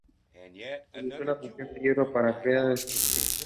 Utilizó la fundición de hierro para crear estatuas.